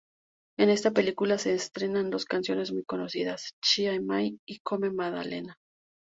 En esta película se estrenan dos canciones muy conocidas Chi Mai y Come Maddalena.